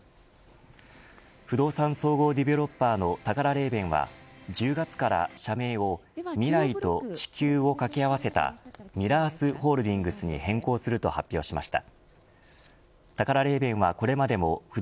不動産総合ディベロッパーのタカラレーベンは１０月から社名を未来と地球を掛け合わせたＭＩＲＡＲＴＨホールディングスに変更すると発表しました。